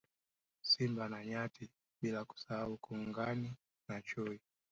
Simba na Nyati bila kusahau Kongoni na Chui